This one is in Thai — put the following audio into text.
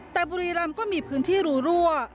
แต่บุรีรำก็มีพื้นที่รูรั่ว